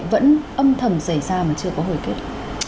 vẫn âm thầm xảy ra mà chưa có hồi kết